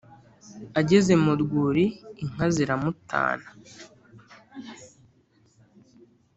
Ageze mu rwuri inka ziramutana